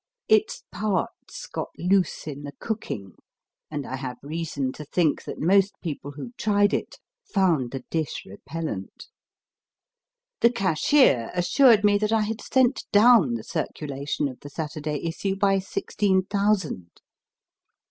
Its parts got DAVID CHRISTIE MURRAY 95 loose in the cooking, and I have reason to think that most people who tried it found the dish repellent. The cashier assured me that I had sent down the circulation of the Saturday issue by sixteen thousand.